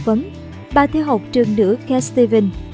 vấn bà theo học trường nữ k steven